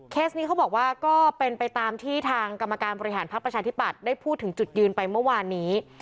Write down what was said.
นี้เขาบอกว่าก็เป็นไปตามที่ทางกรรมการบริหารพักประชาธิปัตย์ได้พูดถึงจุดยืนไปเมื่อวานนี้